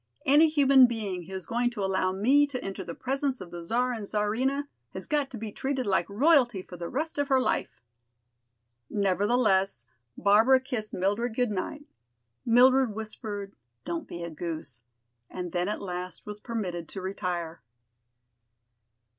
"Any human being who is going to allow me to enter the presence of the Czar and Czarina, has got to be treated like royalty for the rest of her life." Nevertheless, Barbara kissed Mildred good night. Mildred whispered, "Don't be a goose," and then at last was permitted to retire.